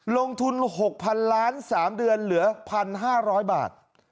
ลงทุน๖๐๐๐ล้าน๓เดือนเหลือ๑๕๐๐บาท